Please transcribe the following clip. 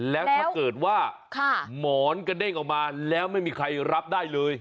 แล้วถ้าเกิดว่าหมอนกระเด้งออกมาแล้วไม่มีใครรับได้เลย